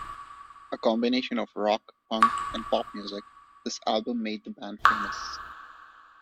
A combination of rock, punk and pop music, this album made the band famous.